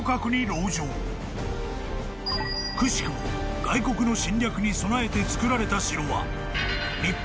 ［くしくも外国の侵略に備えて造られた城は］